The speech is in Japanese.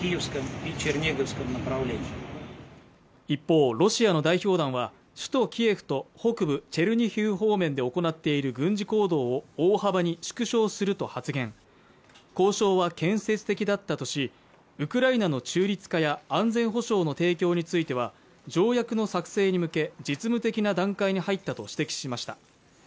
一方ロシアの代表団は首都キエフと北部チェルニヒウ方面で行っている軍事行動を大幅に縮小すると発言交渉は建設的だったとしウクライナの中立化や安全保障の提供については条約の作成に向け実務的な段階に入ったと指摘しました